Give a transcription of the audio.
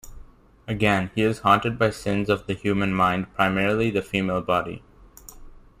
Again, he is haunted by sins of the human mind, primarily the female body.